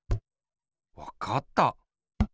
わかった！